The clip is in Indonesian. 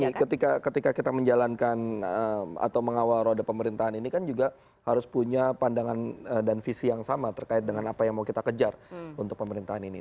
ini ketika kita menjalankan atau mengawal roda pemerintahan ini kan juga harus punya pandangan dan visi yang sama terkait dengan apa yang mau kita kejar untuk pemerintahan ini